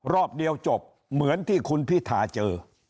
รอบเดียวจบเหมือนที่คุณพิธาเจอ